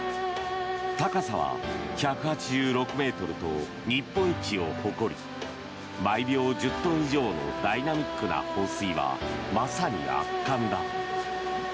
高さは１８６ｍと日本一を誇り毎秒１０トン以上のダイナミックな放水はまさに圧巻だ。